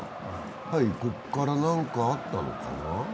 はい、ここから何かあったのかな。